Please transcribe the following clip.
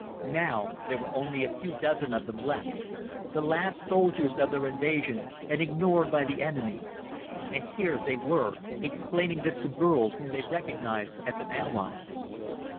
Now there were only a few dozen of them left the last soldiers of their invasion and ignored by the enemy. And here they were, explaining this to Burl whom they recognized as an ally.